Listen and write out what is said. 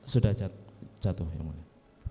sudah jatuh yang mulia